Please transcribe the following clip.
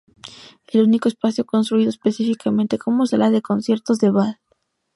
El único espacio construido específicamente como sala de conciertos de Bath.